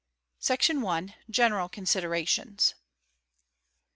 Section i.—General considerations.